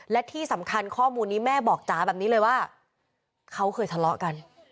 และที่สำคัญข้อมูลนี้แม่บอกจ๋าแบบนี้เลยว่าเขาเคยทะเลาะกัน